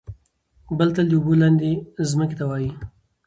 بل تل د اوبو لاندې ځمکې ته وايي.